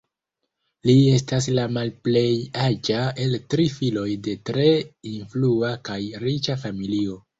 Li estas la malplej aĝa el tri filoj de tre influa kaj riĉa familio.